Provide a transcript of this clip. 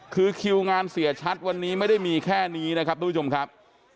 คือคิวงานเสียชัดวันนี้ไม่ได้มีแค่นี้นะครับทุกผู้ชมครับ